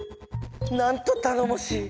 なんとたのもしい！